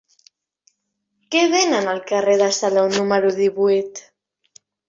Què venen al carrer de Salou número divuit?